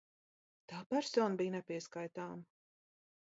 Tā persona bija nepieskaitāma!